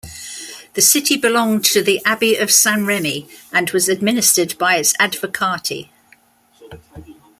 The city belonged to the Abbey of Saint-Remi and was administered by its advocati.